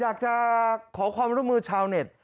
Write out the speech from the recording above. อยากจะขอความร่วมมือชาวเน็ต